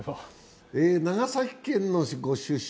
長崎県のご出身。